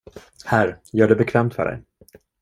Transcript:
Här, gör det bekvämt för dig.